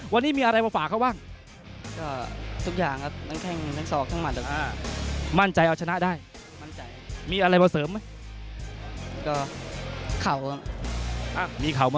ฝ่ายแดดฝ่ายวิทยาหมูสะพานใหม่